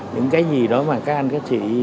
những cái gì đó mà các anh các chị